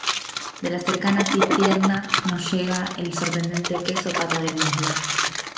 De la cercana Cistierna nos llega el sorprendente "queso Pata de Mulo".